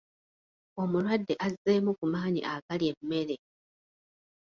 Omulwadde azzeemu ku maanyi agalya emmere.